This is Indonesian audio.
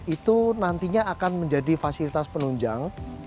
itu nantinya akan menjadi fasilitas penunjang